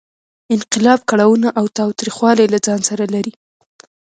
انقلاب کړاوونه او تاوتریخوالی له ځان سره لرلې.